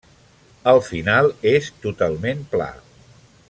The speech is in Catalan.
El final és totalment pla.